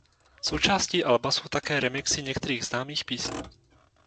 Součástí alba jsou také remixy některých známých písní.